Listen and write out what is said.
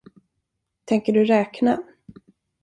Tänker du räkna?